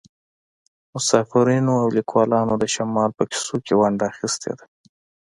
مسافرینو او لیکوالانو د شمال په کیسو کې ونډه اخیستې ده